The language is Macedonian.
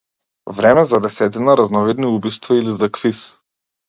Време за десетина разновидни убиства или за квиз?